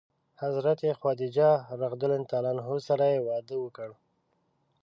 حضرت خدیجه رض سره یې واده وکړ.